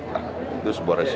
nah itu sebuah reaksi